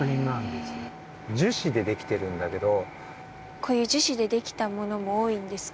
こういう樹脂でできたものも多いんですか？